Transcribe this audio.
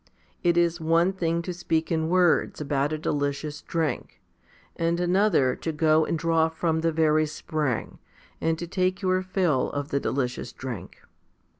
It is one thing to speak in words about a delicious drink, and another to go and draw from the very spring, and to take your fill of the delicious drink.